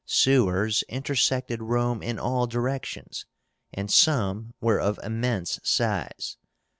SEWERS intersected Rome in all directions, and some were of immense size.